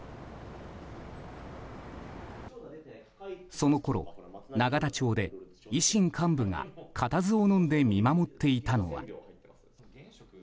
そのころ、永田町で維新幹部が固唾をのんで見守っていたのは。